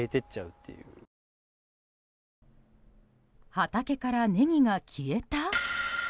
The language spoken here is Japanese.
畑からネギが消えた？